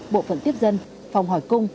bộ phận tiếp dân phòng hỏi cung